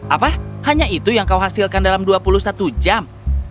apa hanya itu yang kau hasilkan dalam dua puluh satu jam